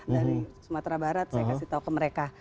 dari sumatera barat saya kasih tahu ke mereka